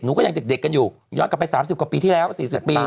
ก็ยังเด็กกันอยู่ย้อนกลับไป๓๐กว่าปีที่แล้ว๔๐ปี